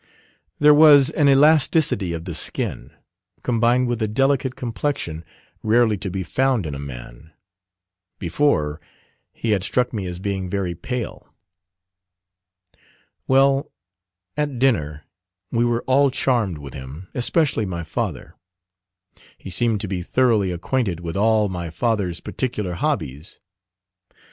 There was an elasticity of the skin, combined with a delicate complexion, rarely to be found in a man. Before, he had struck me as being very pale. Well, at dinner we were all charmed with him, especially my father. He seemed to be thoroughly acquainted with all my father's particular hobbies.